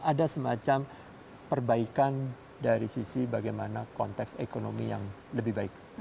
ada semacam perbaikan dari sisi bagaimana konteks ekonomi yang lebih baik